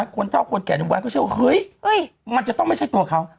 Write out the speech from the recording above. คนเท่าคนแก่จบว้านก็เชื่อว่ามันจะต้องไม่ใช่ตัวเขา